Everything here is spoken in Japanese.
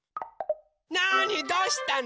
なあにどうしたの？